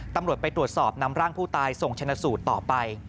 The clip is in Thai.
ตำรวจไปตรวจสอบนำร่างผู้ตายส่งชนะสูตรต่อไป